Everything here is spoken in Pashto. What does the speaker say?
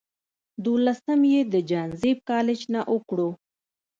دولسم ئې د جهانزيب کالج نه اوکړو